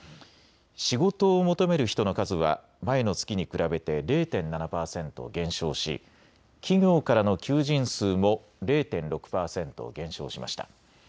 仕事を求める人の数は前の月に比べて０．７％減少し企業からの求人数も０．６％減少しました。